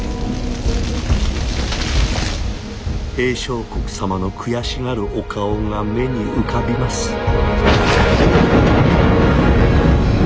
「平相国様の悔しがるお顔が目に浮かびます」。